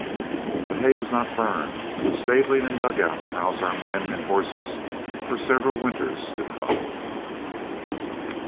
The hay was not burned, and the stabling and dug outs housed our men and horses for several winters to come.